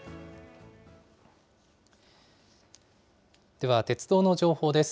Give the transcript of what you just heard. では、鉄道の情報です。